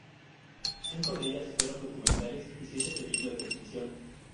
Cinco de ellas fueron documentales y siete películas de ficción.